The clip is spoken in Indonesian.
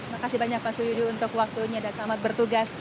makasih banyak pak suyudi untuk waktunya dan selamat bertugas